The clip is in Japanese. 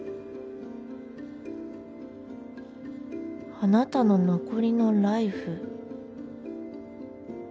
「あなたの残りのライフ」？